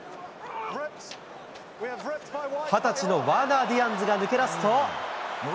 ２０歳のワーナー・ディアンズが抜け出すと。